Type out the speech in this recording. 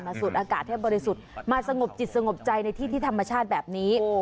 สูดอากาศให้บริสุทธิ์มาสงบจิตสงบใจในที่ที่ธรรมชาติแบบนี้